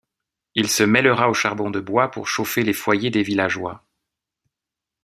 Il se mêlera au charbon de bois pour chauffer les foyers des villageois.